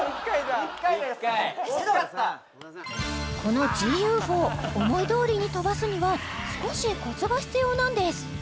・１回です・１回このＧｅｅＵＦＯ思いどおりに飛ばすには少しコツが必要なんです